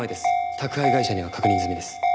宅配会社には確認済みです。